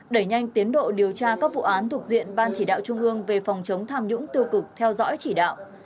đẩy nhanh tiến độ điều tra các vụ án thuộc diện ban chỉ đạo trung ương về phòng chống tham nhũng tiêu cực theo dõi chỉ đạo